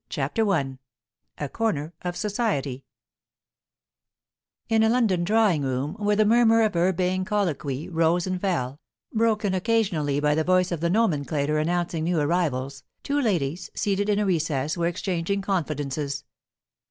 CHAPTER I A CORNER OF SOCIETY In a London drawing room, where the murmur of urbane colloquy rose and fell, broken occasionally by the voice of the nomenclator announcing new arrivals, two ladies, seated in a recess, were exchanging confidences.